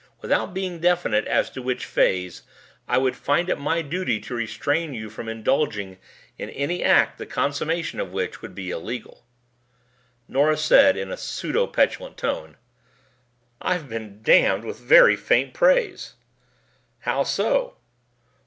Without being definite as to which phase, I would find it my duty to restrain you from indulging in any act the consummation of which would be illegal." Nora said in pseudo petulant tone, "I've been damned with very faint praise." "How so?"